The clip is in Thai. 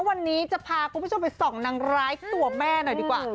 วันนี้จะพาคุณผู้ชมไปส่องนางร้ายตัวแม่หน่อยดีกว่า